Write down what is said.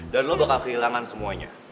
dan lo bakal kehilangan semuanya